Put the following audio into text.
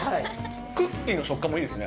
クッキーの食感もいいですね。